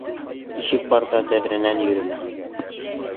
Ишек барҙа тәҙрәнән йөрөмә.